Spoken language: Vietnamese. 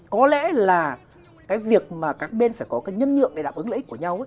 có lẽ là cái việc mà các bên phải có cái nhân nhượng để đáp ứng lợi ích của nhau